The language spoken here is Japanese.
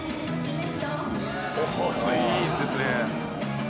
「いいですね」